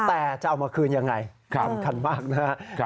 แต่จะเอามาคืนยังไงค่อนข้างมากนะฮะ